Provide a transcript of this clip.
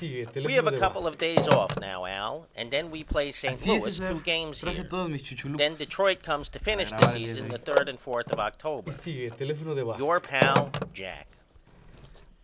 We have a couple of days off now Al and then we play St. Louis two games here. Then Detroit comes to finish the season the third and fourth of October. Your pal, JACK.